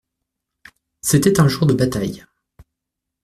C'était un jour de bataille.